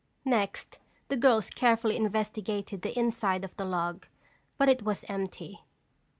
Next the girls carefully investigated the inside of the log but it was empty.